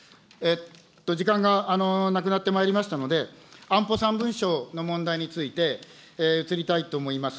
時間がなくなってまいりましたので、安保３文書の問題について、移りたいと思います。